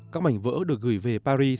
các mảnh vỡ được gửi về paris